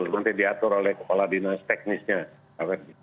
nanti diatur oleh kepala dinas teknisnya pak ferdi